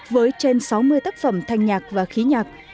với trên sáu mươi tác phẩm thanh nhạc và khí nhạc